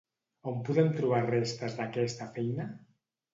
On podem trobar restes d'aquesta feina?